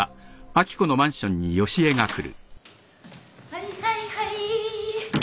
はいはいはい。